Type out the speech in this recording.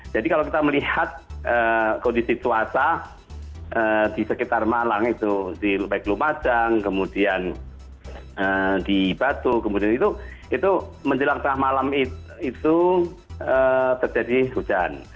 jadi kalau kita melihat kondisi swasta di sekitar malang itu baik di lumajang kemudian di batu kemudian itu menjelang tengah malam itu terjadi hujan